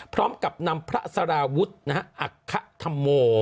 พร้อมกับนำพระสารวุฒิอัคคธรรโม